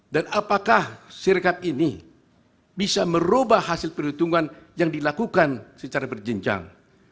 dan apakah sirekap ini bisa merubah hasil perjuangan yang dilakukan secara berjenjang